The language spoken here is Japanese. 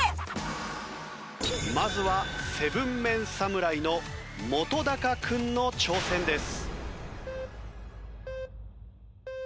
まずは７ＭＥＮ侍の本君の挑戦です。